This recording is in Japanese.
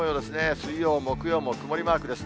水曜、木曜も曇りマークです。